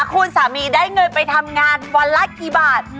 คุณสามีได้เงินไปทำงานวันละกี่บาท